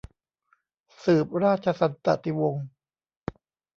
สืบราชสันตติวงศ์